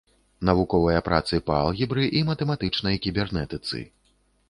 Навуковыя працы па алгебры і матэматычнай кібернетыцы.